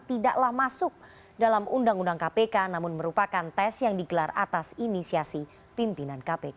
tidaklah masuk dalam undang undang kpk namun merupakan tes yang digelar atas inisiasi pimpinan kpk